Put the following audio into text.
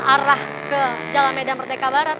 arah ke jalan medan merdeka barat